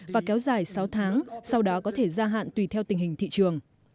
và kéo dài sáu tháng sau đó có thể gia hạn tùy theo tình hình thị trường